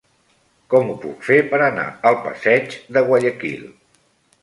Com ho puc fer per anar al passeig de Guayaquil?